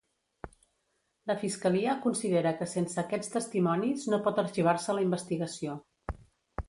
La fiscalia considera que sense aquests testimonis no pot arxivar-se la investigació.